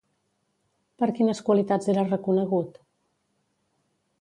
Per quines qualitats era reconegut?